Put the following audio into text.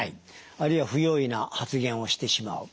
あるいは不用意な発言をしてしまう。